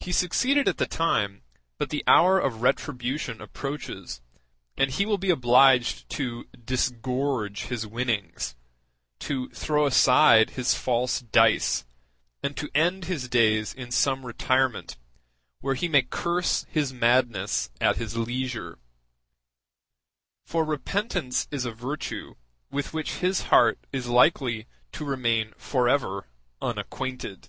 He succeeded at the time, but the hour of retribution approaches, and he will be obliged to disgorge his winnings, to throw aside his false dice, and to end his days in some retirement, where he may curse his madness at his leisure; for repentance is a virtue with which his heart is likely to remain forever unacquainted.